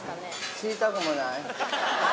知りたくもない。